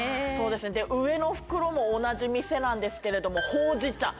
上の袋も同じ店なんですけれども。